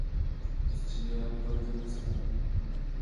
Vystřídala několik zaměstnání.